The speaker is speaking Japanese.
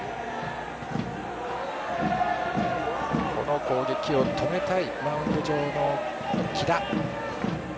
この攻撃を止めたいマウンド上の木田。